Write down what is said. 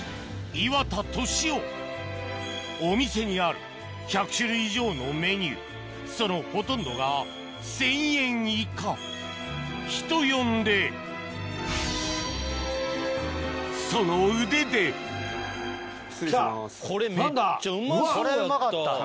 お店にある１００種類以上のメニューそのほとんどが１０００円以下人呼んでその腕でこれめっちゃうまそうやった。